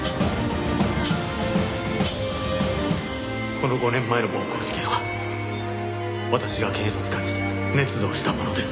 この５年前の暴行事件は私が検察官時代ねつ造したものです。